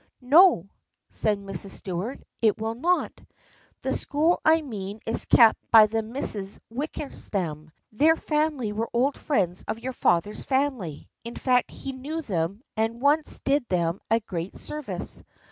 "No," said Mrs. Stuart, "it will not. The school I mean is kept by the Misses Wickersham. Their family were old friends of your father's family. In fact he knew them and once did them a great service.